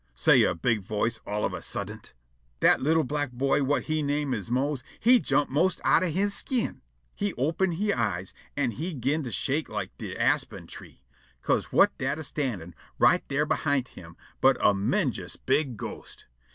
_" say' a big voice all on a suddent. Dat li'l' black boy whut he name is Mose he jump' 'most outen he skin. He open' he eyes, an' he 'gin to shake like de aspen tree, 'ca'se whut dat a standin' right dar behint him but a 'mendjous big ghost!